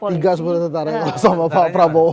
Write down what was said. tiga sebenarnya tentara sama pak prabowo